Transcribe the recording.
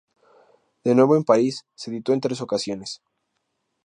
De nuevo en París se editó en tres ocasiones.